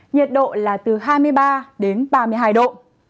nhiệt độ là từ hai mươi ba đến ba mươi hai độ